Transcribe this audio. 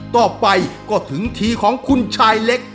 ต่อไปก็ถึงทีของคุณชายเล็ก